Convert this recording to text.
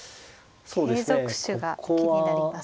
継続手が気になります。